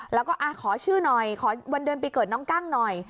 แล้วก็ขอชื่อหน่อยขอวันเดือนปีเกิดน้องกั้งหน่อย